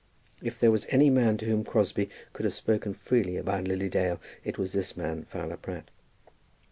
If there was any man to whom Crosbie could have spoken freely about Lily Dale it was this man, Fowler Pratt.